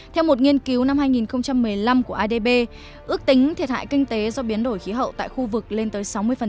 theo một nghiên cứu năm hai nghìn một mươi năm của adb ước tính thiệt hại kinh tế do biến đổi khí hậu tại khu vực lên tới sáu mươi